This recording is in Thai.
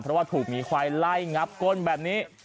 เพราะว่าถูกมีควายไล่งับก้นแบบนี้